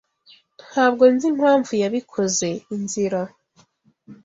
Ntabwo nzi impamvu yabikoze. (Inzira)